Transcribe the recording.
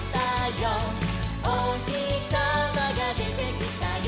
「おひさまがでてきたよ」